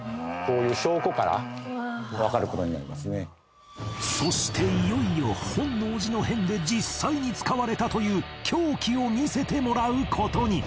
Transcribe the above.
だからそしていよいよ本能寺の変で実際に使われたという凶器を見せてもらう事に